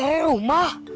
dari rumah kita